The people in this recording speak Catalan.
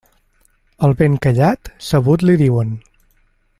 Al ben callat, sabut li diuen.